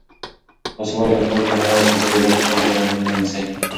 تاسو ولې د خپل کور حیا او سپېڅلی عزت په پام کې نه نیسئ؟